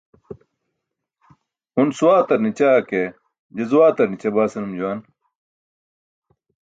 "un swaatar ni̇ća ke, je zwaatar ni̇ćabaa" senum juwan.